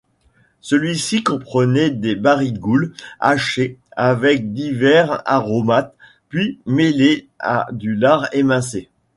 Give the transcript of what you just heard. Celle-ci comprenait des barigoules hachées avec divers aromates, puis mêlées à du lard émincé.